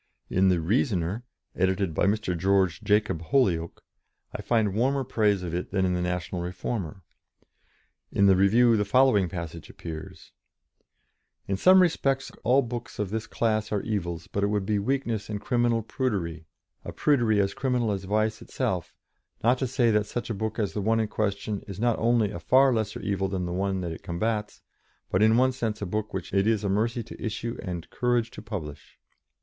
In the Reasoner, edited by Mr. George Jacob Holyoake, I find warmer praise of it than in the National Reformer; in the review the following passage appears: "In some respects all books of this class are evils: but it would be weakness and criminal prudery a prudery as criminal as vice itself not to say that such a book as the one in question is not only a far lesser evil than the one that it combats, but in one sense a book which it is a mercy to issue and courage to publish."